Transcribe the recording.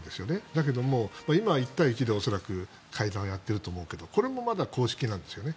だけど今は１対１で収まる会談をやっているわけだけおこれもまだ、公式なんですよね。